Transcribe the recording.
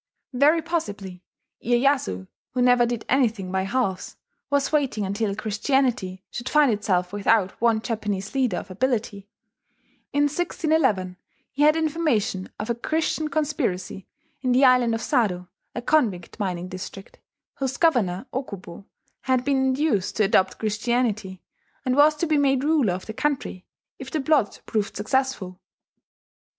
Very possibly Iyeyasu, who never did anything by halves, was waiting until Christianity should find itself without one Japanese leader of ability. In 1611 he had information of a Christian conspiracy in the island of Sado (a convict mining district) whose governor, Okubo, had been induced to adopt Christianity, and was to be made ruler of the country if the plot proved successful.